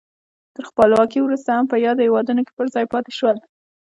تر خپلواکۍ وروسته هم په یادو هېوادونو کې پر ځای پاتې شول.